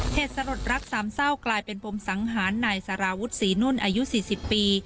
เกษฎร์รดรักสามเศร้ากลายเป็นปมสังหารนายสาราวุฒีนุ่นอายุสี่สิบปี